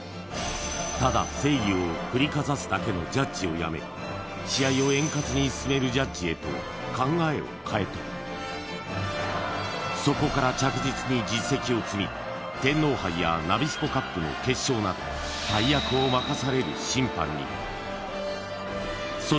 ただ正義を振りかざすだけのジャッジをやめ試合を円滑に進めるジャッジへと考えを変えたそこから着実に実績を積み天皇杯やナビスコカップの決勝などそしてついにはでしていった